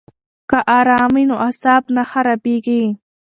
که آرام وي نو اعصاب نه خرابیږي.